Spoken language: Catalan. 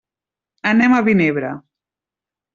Anem a Vinebre.